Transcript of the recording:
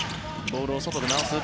ボールを外で回す。